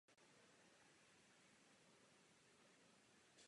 Narodil se v Praze v rodině akademického malíře Karla Šmída.